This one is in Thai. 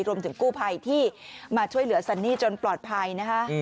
รวมถึงกู้ภัยที่มาช่วยเหลือซันนี่จนปลอดภัยนะคะ